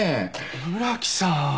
村木さん！